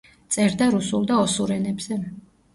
წერდა რუსულ და ოსურ ენებზე.